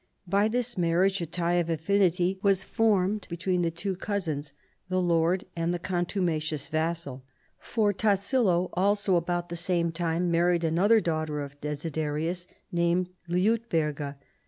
By this marriage a tie of affinity was formed between the two cousins, — the lord and the contumacious vassal, — for Tassilo also about the same time married another daughter of Desiderius, named Liutberga.